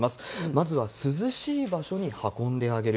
まずは涼しい場所に運んであげる。